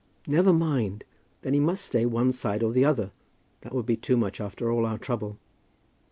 "Never mind. Then he must stay one side or the other. That would be too much after all our trouble!"